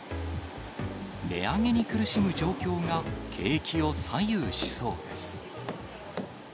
値上げに苦しむ状況が、景気を左右しそうです。